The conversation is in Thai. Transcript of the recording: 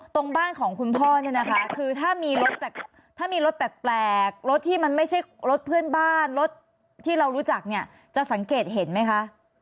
ตรงบ้านของคุณพ่อเนี่ยนะคะคือถ้ามีรถถ้ามีรถแปลกรถที่มันไม่ใช่รถเพื่อนบ้านรถที่เรารู้จักเนี่ยจะสังเกตเห็นไหมคะ